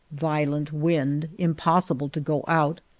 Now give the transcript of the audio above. Violent wind. Impossible to go out.